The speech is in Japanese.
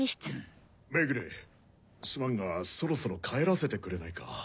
目暮すまんがそろそろ帰らせてくれないか？